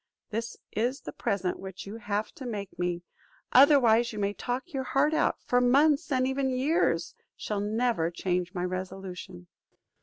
This is the present which you have to make me; otherwise you may talk your heart out, for months and even years shall never change my resolution."